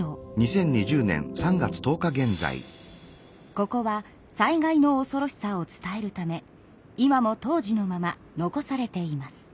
ここは災害のおそろしさを伝えるため今も当時のまま残されています。